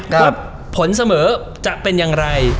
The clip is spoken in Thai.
ผลเสมอจะเป็นอย่างไร